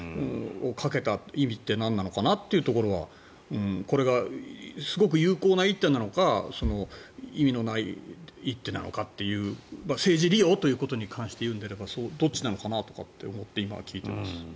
かけた意味というのはなんなのかなというのはこれがすごく有効な一手なのか意味のない一手なのかという政治利用ということに関して言うのであればどっちなのかなって思って今、聞いています。